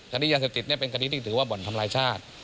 คดียาเสพติดเป็นคดีที่ถือว่าบ่อนทำลายชาติ